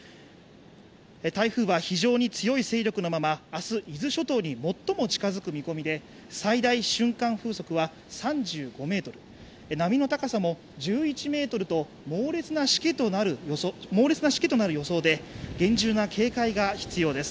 台風は非常に強い勢力のまま、明日伊豆諸島に最も近づく見込みで最大瞬間風速は３５メートル、波の高さも１１メートルと、猛烈なしけとなる予想で厳重な警戒が必要です。